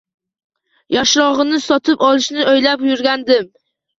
Yoshrogʻini sotib olishni oʻylab yurgandim